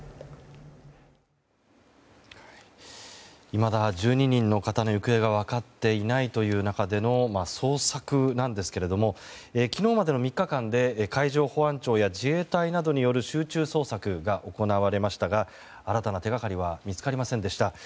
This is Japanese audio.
いまだ１２人の方の行方が分かっていないという中での捜索なんですけれども昨日までの３日間で海上保安庁や自衛隊などによる集中捜索が行われましたが新たな手掛かりは見つかりませんでした。